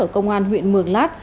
ở công an huyện mường lát